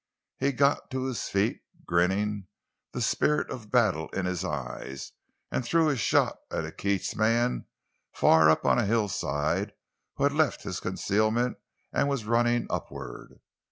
He got to his feet, grinning, the spirit of battle in his eyes, and threw a shot at a Keats man, far up on a hillside, who had left his concealment and was running upward.